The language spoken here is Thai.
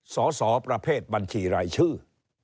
สสประเภทบัญชีรายชื่อ